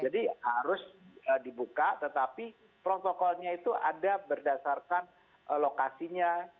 jadi harus dibuka tetapi protokolnya itu ada berdasarkan lokasinya